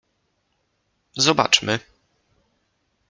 Zobaczmy.